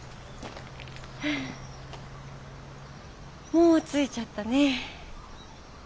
もう着いちゃったね。